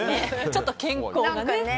ちょっと健康がね。